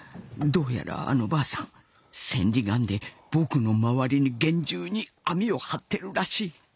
どうやらあの婆さん千里眼で僕の周りに厳重に網を張ってるらしい。